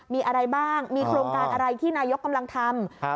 มีอะไรบ้างมีโครงการอะไรที่นายกกำลังทำ